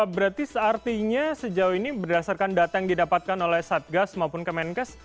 berarti seartinya sejauh ini berdasarkan data yang didapatkan oleh satgas maupun kemenkes